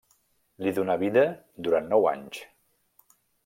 Li donà vida durant nou anys.